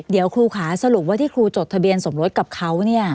เดี๋ยวครูค่ะสรุปว่าที่ครูจดทะเบียนสมรสกับเขาเนี่ย